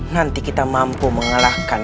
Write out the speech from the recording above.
nanti kita mampu mengalahkan